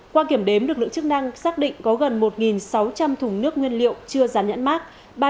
qua kiểm đếm lực lượng chức năng xác định có gần một sáu trăm linh thùng nước nguyên liệu chưa rán nhãn mát